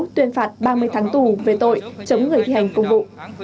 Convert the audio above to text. tuyên phạt ba mươi tháng tù về tội chống người thi hành công vụ